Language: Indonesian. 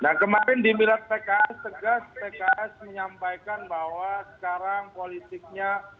nah kemarin di miras pks tegas pks menyampaikan bahwa sekarang politiknya